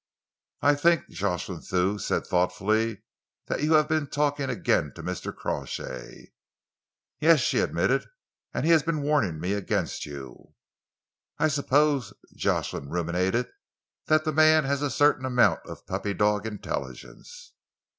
"I think," Jocelyn Thew said thoughtfully, "that you have been talking again to Mr. Crawshay." "Yes," she admitted, "and he has been warning me against you." "I suppose," Jocelyn ruminated, "the man has a certain amount of puppy dog intelligence."